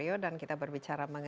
dan mungkin juga cukup lama